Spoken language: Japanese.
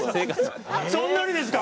そんなにですか？